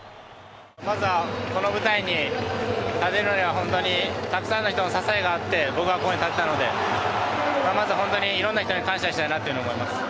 まずはこの舞台に立てるのには、本当にたくさんの人の支えがあって僕はここに立てたので、まず、本当にいろんな人に感謝したいなって思います。